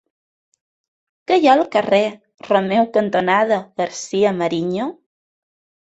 Què hi ha al carrer Romeu cantonada García-Mariño?